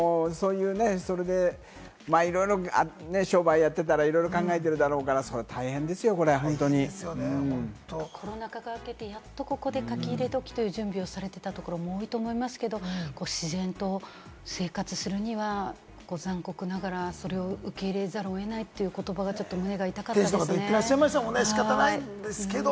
それでいろいろ商売やってたら、いろいろ考えてるだろうから、大変ですよこれは。コロナ禍が明けて、やっとここでかき入れ時という準備をされてたところも多いと思いますけれども、自然と生活するには残酷ながら、それを受け入れざるを得ないという言葉が胸が痛かっ仕方ないんですけれどもって言ってらっしゃいましたもんね。